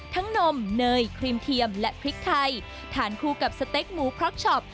นมเนยครีมเทียมและพริกไทยทานคู่กับสเต็กหมูพร็อกช็อป